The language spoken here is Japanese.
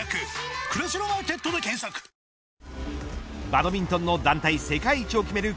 バドミントンの団体世界一を決める